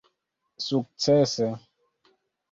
sukcese